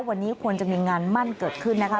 วันนี้ควรจะมีงานมั่นเกิดขึ้นนะคะ